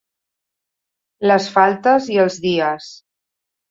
Les faltes i els dies